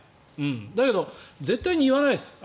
だけど、絶対に言わないです。